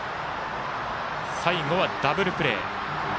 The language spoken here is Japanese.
最後はダブルプレー。